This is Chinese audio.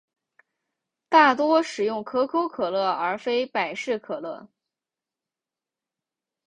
大多使用可口可乐而非百事可乐。